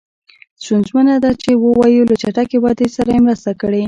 ستونزمنه ده چې ووایو له چټکې ودې سره یې مرسته کړې.